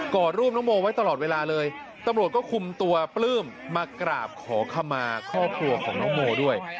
อดรูปน้องโมไว้ตลอดเวลาเลยตำรวจก็คุมตัวปลื้มมากราบขอขมาครอบครัวของน้องโมด้วย